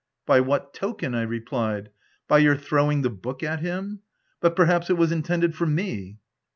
"By what token?" I replied; "by your throwing the book at him ? but perhaps, it was intended for me